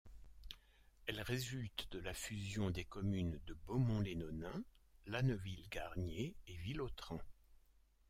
Elle résulte de la fusion des communes de Beaumont-les-Nonains, La Neuville-Garnier et Villotran.